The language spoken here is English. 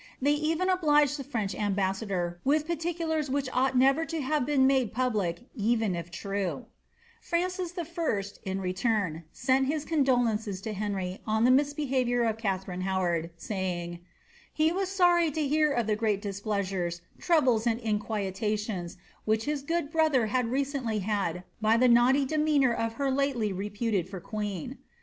Tiiey even obliged the French ambassador with particulars wliich ought never to have been nuKie public, even if true. Francis I., in return, sent his condolences to Henry on the misbe haviour of Katharine Howard, saying, ^ he was sorry to hear of the ^ State Paper MS. * State Papers, vol. L p. 6S4. KATHARINE HOWARD. 313 peat displeasares, troubles, and inquietations, which his good bi other had recently had by the naughty demeanour of her lately reputed for <jueen."